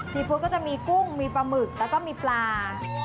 ฟู้ดก็จะมีกุ้งมีปลาหมึกแล้วก็มีปลา